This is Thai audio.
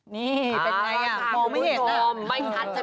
นี่เป็นยังไงน่ะสามารถถามคุณผู้ชม